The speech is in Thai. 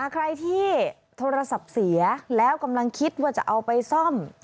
ใครที่โทรศัพท์เสียแล้วกำลังคิดว่าจะเอาไปซ่อม